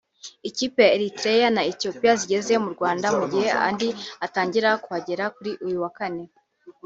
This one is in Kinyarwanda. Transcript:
Ikipe ya Eritrea na Ethiopia zageze mu Rwanda mu gihe andi atangira kuhagera kuri uyu wa Kane